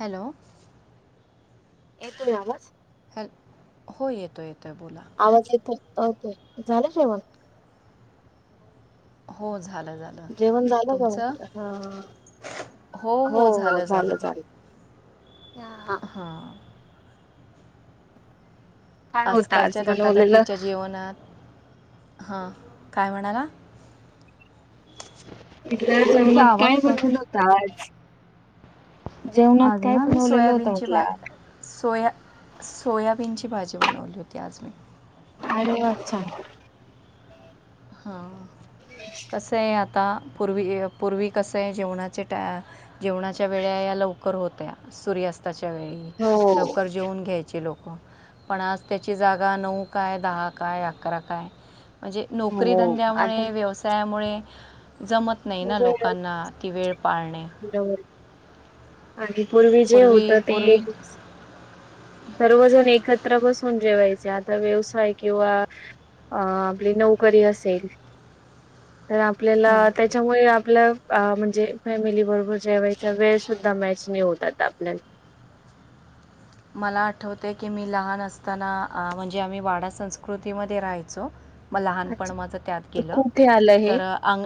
Hello! येतोनी आवाज. Hello हो येतो येतोय बोला. आवाज येतोय ओके, झालं जेवण? हो झालं झाल‌. जेवण झालं का म्हटलं हां हो झालं झालं. हां हां काय होतं आज आजकालच्या बनवलेलं? धकाधकीच्या जीवनात हां काय म्हणाला. इथल्या तुमचा जेवनात काय आवाज कट बनवलं होत आज? जेवणात आज काय ना मी बनवलेल होत सोयाबीनची म्हटलं भा आज. सोया सोयाबीनची भाजी बनवली होती आज मी. अरे व्वा छान. हां अम् [inaudible] कसय आहे आता पूर्वी, पूर्वी कसं आहे जेवणाचे टा जेवणाच्या वेळा या लवकर होत्या सूर्यास्त- च्या वेळी हो. लवकर जेवून घ्यायचे लोक. पण आज त्याची जागा नऊ, काय दहा, काय अकरा काय, म्हणजे नोकरी हो धंद्यामुळे आता व्यवसायामुळे जमत नाही ना लोकांना ती वेळ पाळणे. बरोबर आणि पूर्वी जे होत ते, सर्वजण एकत्र बसून जेवायचे आता व्यवसाय किंवा- अ आपली नोकरी असेल. तर आपल्याला हं. त्यांच्यामुळे आपल्या अ म्हणजे फॅमिली बरोबर जेवायचा वेळ सुद्धा, मॅच नाही होत आता आपल्याला. मला आठवते की मी लहान असताना म्हणजे आम्ही वाडा संस्कृतीमध्ये राहायचो. मग लहानपण अच्छा माझं त्यात गेलं, कुठे आलं हे तर अंग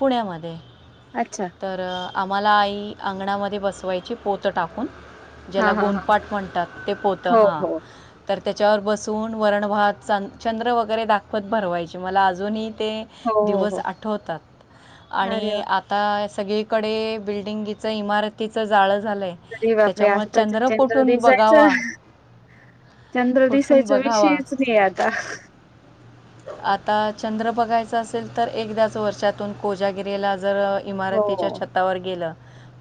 पुण्यामध्ये अच्छा! तर आम्हाला आई अंगणामध्ये बसवायची पोतं टाकून. हा ज्याला हा हा गोंणपाट म्हणतात ते पोत हो हा. हो तर त्याच्यावर बसून वरणभात चन चंद्र वगैरे दाखवत भरवायचे मला अजूनही ते. हो हो दिवस हो आठवतात अरे वा आणि. आता सगळीकडे बिल्डिंगीच इमारतीचं जाळं झालंय. तरी बापरे आताचचेंद दिसायचं. बघावा चंद्र कुठून दिसायचा बघावा विषयच नाही आता. आता चंद्र बघायच असेल. तर एकदाच वर्षातून कोजागिरीला जर इमारतीच्या हो. छतावर गेलं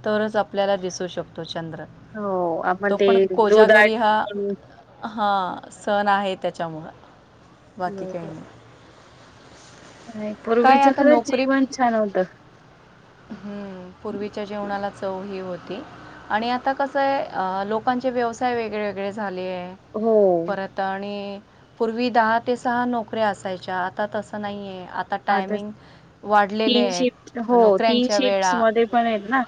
तरच आपल्याला दिसू शकतो चंद्र. हो आपण तो ते पण दुधात कोजागरी हा हा सण आहे त्याच्यामुळ बाकी [unintelligible] नाही पूर्वीचं खरं जीवन छान होतं. हम्म पूर्वीच्या जेवणाला चव ही होती. आणि आता कस आहे. अ लोकांचे व्यवसाय वेगळे, वेगळे झाले. हो. परत आणि पूर्वी दहा ते सहा नोकऱ्या असायच्या आता तसं नाहीये. आता टायमिंग वाढलेले तीन शिफ्ट आहेत हो तीन नोकऱ्यांच्या वेळा शिफ्ट्स मध्ये पण आहेत ना.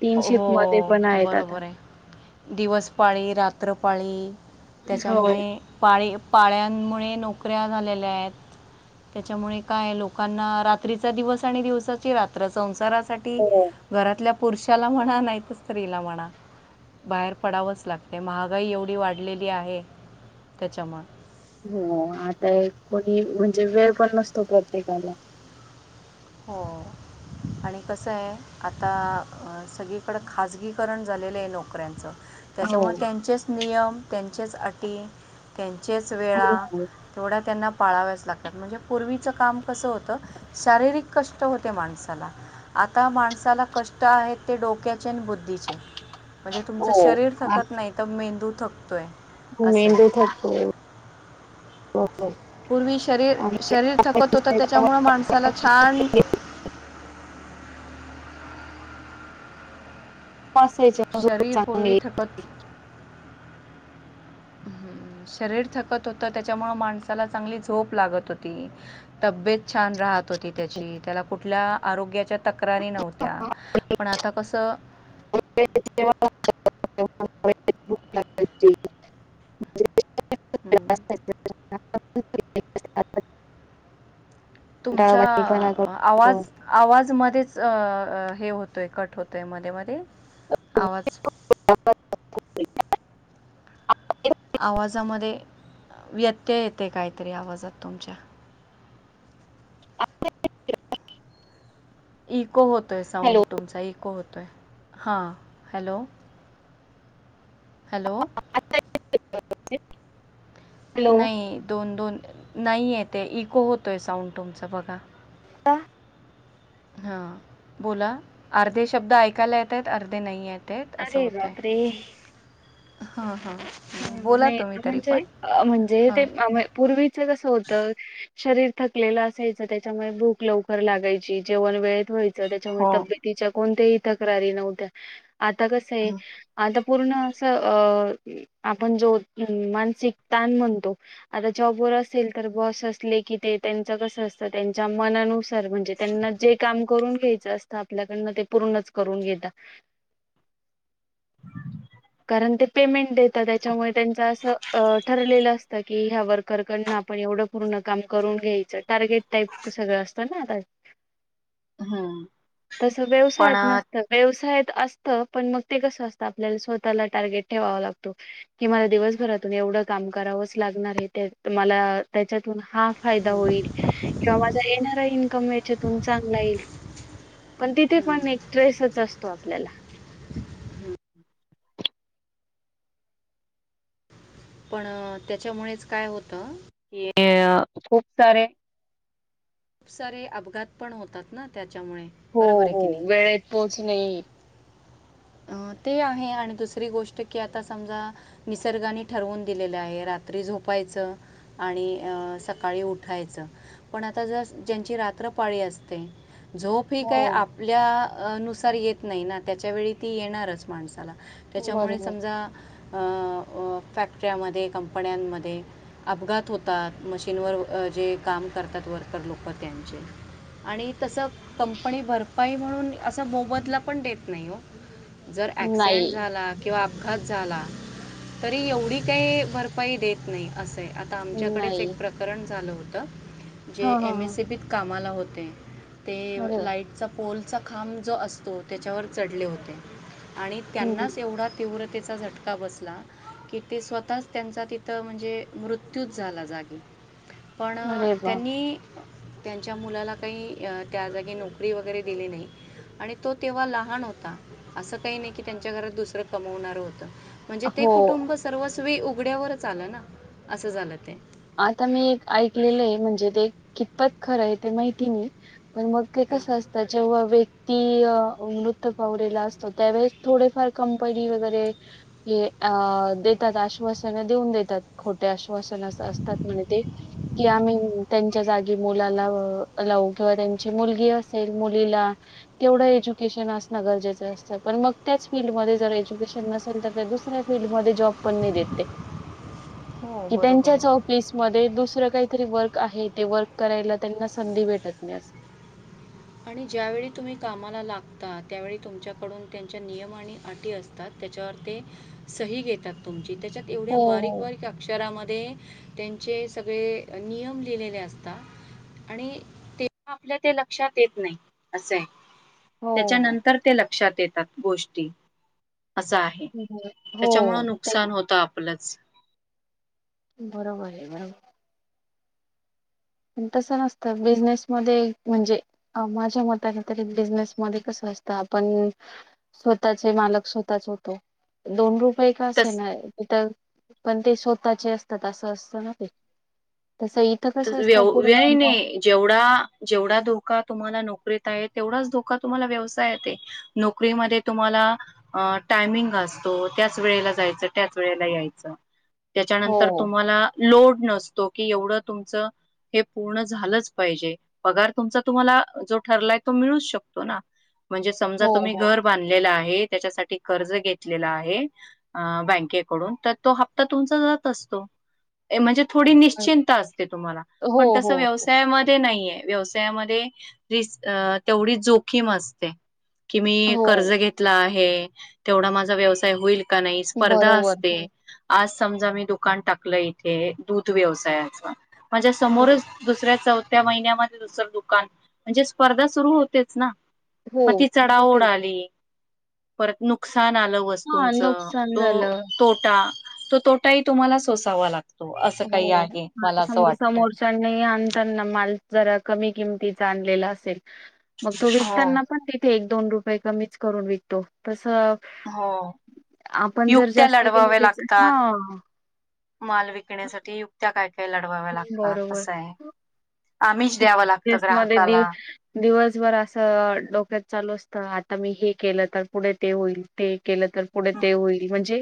तीन शिफ्ट मध्ये हो पण आहेत आता बरोबर आहे. दिवस पाळी, रात्रपाळी, हो. त्याच्यामुळे पाळी पाळ्यांमुळे नोकऱ्या झालेल्या आहेत. त्याच्यामुळे काय लोकांना रात्रीचा, दिवस आणि दिवसाची रात्र संसारा हो घरातल्या पुरुषाला म्हणा नाहीत स्त्रीला म्हणा बाहेर पडावंच लागते महागाई एवढी वाढलेली आहे त्याच्यामुळं. हो आता कोणी म्हणजे वेळ पण नसतो प्रत्येकाला. हो आणि कसं आहे. आता सगळीकडं खाजगीकरण झालेलं आहे. नोकऱ्यांचं. हो त्याच्यामुळे त्यांचेच नियम त्यांचेच अटी त्यांचेच वेळा. तेवढ्या त्यांना पाळाव्याच लागतात. म्हणजे पूर्वीचं काम कसं होतं शारीरिक कष्ट होते माणसाला. आता माणसाला कष्ट आहेत ते डोक्याचे आणि बुद्धीचे. म्हणजे तुमचं हो शरीर आज थकत नाही तर मेंदू थकतोय. मेंदू थकतो. बरोबर. पूर्वी शरीर आणि शरीर थकत होतं त्याच्यामुळे त्याच्यामुळं माणसाला छान शरीर पूर्वी [inaudible] थकत हं, शरीर थकत होत. त्याच्यामुळ माणसाला चांगली झोप लागत होती. तबेत छान राहत होती. होती त्याची त्याला कुठल्या आरोग्याच्या तक्रारी नव्हत्या पण आता कसं [unintelligible] [unintelligible] हम्! कंटाळवाणी तुमचा पणा करतो आपण आवाज आवाज मध्येच हे होतोय कट होतोय मध्ये, मध्ये आवाज [unintelligible] आवाजामध्ये व्यत्यय येते काहीतरी आवाजात तुमच्या. [unintelligible] इको होतो आहे हॅलो साऊंड तुमचा. इको होतो आहे हां हॅलो. हॅलो आता येतोय काय? नाही दोन दोन नाही येत आहेे इको होतो आहे साऊंड तुमचां बघा. का? हा बोला अर्धे शब्द ऐकायला येतात अर्धे नाही येत. अरे बापरे हा हा [unintelligible] म्हणजे म्हणजे ते हां पूर्वीच कसं होतं शरीर थकलेलं असायचं त्याच्यामुळे भूक लवकर लागायची जेवण वेळेत व्हायचं त्याच्यामुळे हो तब्येतीच्या कोणत्याही तक्रारी नव्हत्या. आता कस आहे आता पूर्ण असं अ आपण जो मानसिक ताण म्हणतो आता जॉबवर असेल तर बॉस असले की ते त्यांच कसं असतं त्यांच्या मनानुसार म्हणजे त्यांना जे काम करून घ्यायचं असतं आपल्याकडन ते पूर्ण करून घेतात. कारण ते पेमेंट देतात त्याच्यामुळे त्यांच असं ठरलेलं असतं की ह्या वर्करकडन आपण एवढं पूर्ण काम करून घ्यायचं टार्गेट टाईप सगळं असतं ना. हम्म, तस पण व्यवसायात अ, नसतं. व्यवसायात असतं पण मग ते कसं असतं आपल्याला स्वतःला टार्गेट ठेवावा लागतो. कि मला दिवसभरातून एवढं काम करावंच लागणार हे मला त्याच्यातून हा फायदा होईल किंवा माझा येणारा इन्कम याच्यातून चांगला येईल. पण तिथे हम्म, पण एक ट्रेसच असतो आपल्याला. [inaudible] पण त्याच्यामुळेच काय होतं? हे खूप सारे खूप सारे अपघात पण होतात ना त्याच्यामुळे हो बरोबर आहे हो की नाही वेळेत पोहोचणे ते आहे आणि दुसरी गोष्ट की आता समजा निसर्गाने ठरवून दिलेले आहे रात्री झोपायचं आणि अ सकाळी उठायचं. पण, आता जर ज्यांची रात्र पाळी असते झोप ही हो काही आपल्या नुसार येत नाही ना त्याच्या वळी ती येणारच माणसाला त्याच्यामुळे बरोबर समजा अ फॅक्टर्यामध्ये कंपन्यांमध्ये अपघात होतात मशीनवर जे काम करतात वर्कर लोक त्यांचे. आणि तस कंपनी भरपाई म्हणून असं मोबदला पण देत नाही. ओ जर नाही ऍक्सिडेंट झाला किंवा अप अपघात झाला तरी एवढी काही भरपाई देत नाही असंय. आता आमच्याकडेच नाही. एक प्रकरण झालं होतं. जे हां, हां, एम हां. एस एबीत कामाला होते ते अरे वाह! लाईटचा पोलचा खांब जो असतो त्याच्यावर चढले होते आणि हं. त्यांनाच एवढा तीव्रतेचा झटका झटका बसला कि ते स्वतःच त्यांचा तिथं म्हणजे मृत्यूच झाला जागी. [inaudible] पण वाह! त्यांनी त्यांच्या मुलाला काही अ त्या जागी नोकरी वगैरे दिली नाही. आणि तो तेव्हा लहान होता. असं काही नाही की त्यांच्या घरात दुसरं कमवणार होतं. म्हणजे ते हो. कुटुंब सर्वस्वी उघड्यावरच आलं ना, असं झालं ते. आता मी एक ऐकलेलं आहे. म्हणजे ते, कितपत खरं आहे ते माहिती नाही. पण मग ते हं. कसं असं त्यांच्यामुळे व्यक्ती मृत्यू पावलेला असतो, त्यावेळेस थोडेफार कंपनी वगैरे हे अ देतात. आश्वासन देऊन देतात. खोटे आश्वासन अस-अस तात म्हण ते कि आम्ही त्यांच्या जागी मुलाला लावू, किंवा त्यांची मुलगी असेल मुलीला तेवढं एज्युकेशन असण गरजेचं असतं. पण मग त्याच फीलल्डमध्येध्ये जर एज्युकेशन नसेल तर त्या फीडमध्ये जॉब पण देत नाही ते, हो की बरोबर त्यांच्या जॉब आहे वीस मध्ये दुसरं काहीतरी वर्क आहे ते वर्क करायला त्यांना संधी भेटत नाहीस. आणि ज्यावेळी तुम्ही कामाला लागता. त्यावेळी तुमच्याकडून त्यांच्या नियम आणि अटी असतात. त्याच्यावर ते सही घेतात तुमची, त्याच्यात एवढ्या हो हो बारीक-बारीक अक्षरामध्ये त्यांचे सगळे नियम लिहिलेले असतात. आणि ते आपल्या ते लक्षात येत नाही. असं आहे. हो हो. त्याच्यानंतर ते लक्षात येतात गोष्टी, असं आहे. हम्म. हो त्याच्यामुळं ते नुकसान होत. आप लच. बरोबर आहे. बरोबर पण तसं नसतं. बिझनेस मध्ये म्हणजे अ माझ्या मताने तरी बिझनेस मध्ये कस असतं आपण स्वतःचे मालक स्वतःच होतो. दोन रुपये का असे तस ना इथ, पण ते स्वतःचे असतात. असं असतं ना ते, तसंही त व्य व्यने जेवढा-जेवढा धोका तुम्हाला नोकरीत आहे. तेवढाच धोका तुम्हाला व्यवसायत आहे. नोकरीमध्ये तुम्हाला अ टायमिंग असतो. त्याच वेळेला जायचं, त्याच वेळेला यायचं. हो त्याच्यानंतर तुम्हाला लोड नसतो कि एवढं तुमचं हे पूर्ण झालंच पाहिजे. पगार तुमचा तुम्हाला, जो ठरलाय तो मिळूच शकतो ना. म्हणजे समजा हो तुम्ही हो घर बांधलेला आहे. त्याच्यासाठी कर्ज घेतलेला आहे. अ बँकेकडून तर तो हप्ता तुमचा जात असतो. म्हणजे थोडी निश्चिंंत असते तुम्हाला. हो पण तस हो व्यवस् त्यामध्ये नाहीये, व्यवसायामध्ये रि तेवढी जोखीम असते. कि मी हो कर्ज घेतला आहे. तेवढा माझा व्यवसाय होईल. का नाही. स्पर्धा बरोबर असते. हो आज समजा मी दुकान टाकलं इथे, दूध व्यवसायाच, माझ्या हो समोरच दुसऱ्या, चौथ्या महिन्यामध्ये दुसर दुकान. म्हणजे स्पर्धा सुरु होतेच ना हो मग ती हो चढाओड तेच आली. परत नुकसान आलं हा वस्तूंच, नुकसान तो झालं तोटा, तो तो टा ही तुम्हाला सोसावा लागतो, असं काही आहे, मला असं वाटत. त्यांनी आणताना माल जरा कमी किमतीचा आणलेला असेल. मग तो हो विकताना पण तिथे एक, दोन रुपये कमीच करून विकतो तसं हो आपण जर युक्त्या जास्त केलं लढवाव्या तेच, लागतात. हा. माल विकण्यासाठी युक्त्या काय-काय लढवाव्या लागतात बरोबर असं आहे. आमीष द्यावं लागतं बिझनेस मध्ये दिव ग्राहकाला. दिवसभर असं डोक्यात चालू असतं, आता मी हे केलं तर पुढे ते होईल. ते केलं तर पुढे ते होईल म्हणजे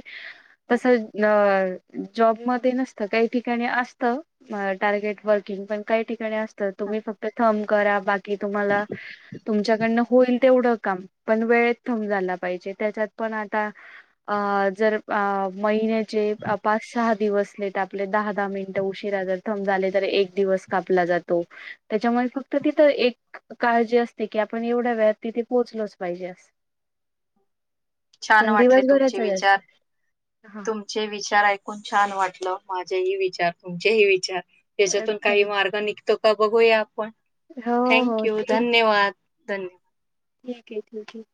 तसं अ जॉबमध्ये नसत काही ठिकाणी असत अ टार्गेट वर्किंग पण काही ठिकाणी अस तर तुम्ही फक्त थम करा बाकी तुम्हाला तुमच्याकडनं होईल तेवढं काम पण वेळेत थंब झाला पायजे त्याच्यात पण आता अ जर अ महिन्याचे पाच सहा दिवस लेट आपले दहा दहा मिनिटं उशीरा जर थंब झाले तर एक दिवस कापला जा तो त्याच्यामुळे फक्त तिथं एक काळजी असते की आपण एवढ्या वेळात तिथे पोहोचलोच पायजे अस. छान पण वाटले तुमचे दिवसभराचा जास्त विचार हा. तुमचे विचार ऐकून छान वाटलं माझेही विचार तुमचेही विचार. त्याच्यातून काही मार्ग निघतो का बघूया आपण हो हो थँंक्यू ठीक धन्यवाद. धन्य. ठीक हे ठीक हे.